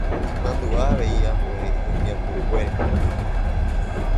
imandu'a avei ambue hembiapokuére.